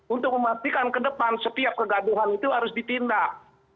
untuk memastikan ke depan setiap kegaduhan itu harus ditindak